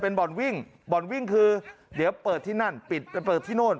เป็นบ่อนวิ่งบ่อนวิ่งคือเดี๋ยวเปิดที่นั่นปิดไปเปิดที่โน่น